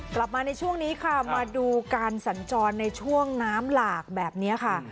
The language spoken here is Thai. กลับมาในช่วงนี้ค่ะมาดูการสัญจรในช่วงน้ำหลากแบบนี้ค่ะ